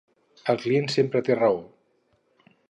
El client sempre té raó.